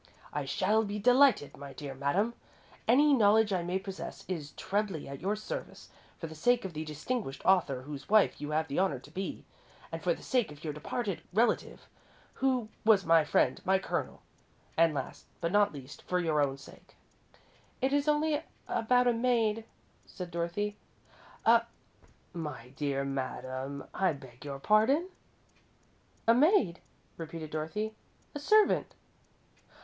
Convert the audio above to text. "I shall be delighted, my dear madam. Any knowledge I may possess is trebly at your service, for the sake of the distinguished author whose wife you have the honour to be, for the sake of your departed relative, who was my friend, my Colonel, and last, but not least, for your own sake." "It is only about a maid," said Dorothy. "A my dear madam, I beg your pardon?" "A maid," repeated Dorothy; "a servant."